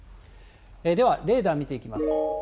ではレーダー見ていきます。